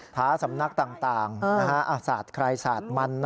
ท้าสำนักต่างโทรหมอป้าใหม่ทั้งศาสตร์คนไทย